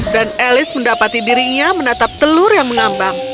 dan alice mendapati dirinya menatap telur yang mengambang